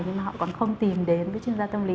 nhưng mà họ còn không tìm đến với chuyên gia tâm lý